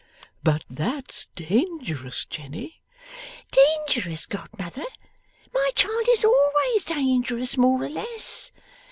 'But that's dangerous, Jenny.' 'Dangerous, godmother? My child is always dangerous, more or less.